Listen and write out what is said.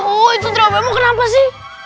oh itu terlalu memukul apa sih